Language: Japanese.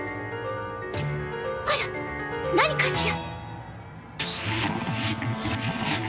あら何かしら？